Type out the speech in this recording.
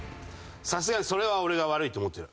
さすがにそれは俺が悪いと思ってる。